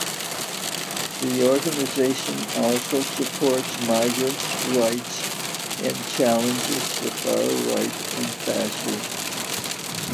The organization also supports migrant's rights, and challenges the Far-Right and Fascism.